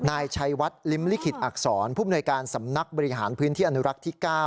นายชัยวัดลิ้มลิขิตอักษรผู้มนวยการสำนักบริหารพื้นที่อนุรักษ์ที่๙